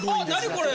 これ。